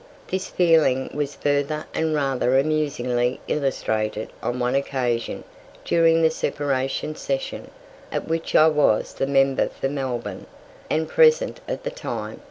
This feeling was further and rather amusingly illustrated on one occasion during the "Separation Session," at which I was the member for Melbourne, and present at the time.